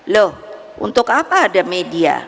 loh untuk apa ada media